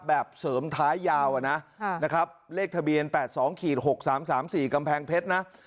แบบเสริมท้ายยาวอะนะนะครับเลขทะเบียน๘๒๖๓๓๔กำแพงเพชรนะ